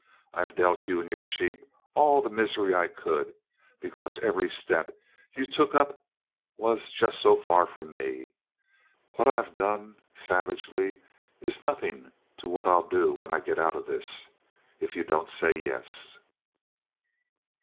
I've dealt you and your sheep all the misery I could, because every step you took up was just so far from me. What I've done," savagely, "is nothin' to what I'll do when I git out of this, if you don't say yes."